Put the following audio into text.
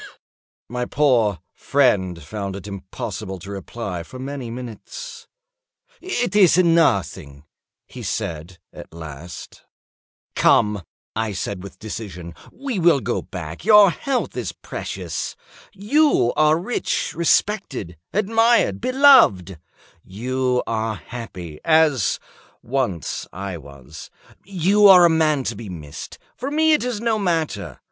My poor friend found it impossible to reply for many minutes. "It is nothing," he said, at last. "Come," I said, with decision, "we will go back; your health is precious. You are rich, respected, admired, beloved; you are happy, as once I was. You are a man to be missed. For me it is no matter.